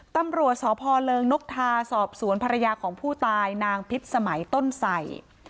ตำรวจสพเริงนกทาสอบสวนภรรยาของผู้ตายนางพิษสมัยต้นใส่